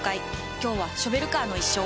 今日はショベルカーの一生。